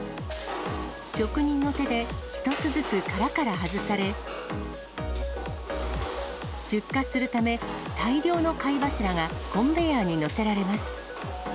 職人の手で一つずつ殻から外され、出荷するため、大量の貝柱がコンベヤーに載せられます。